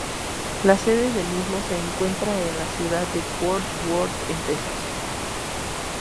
La sede del mismo se encuentra en la ciudad de Fort Worth, en Texas.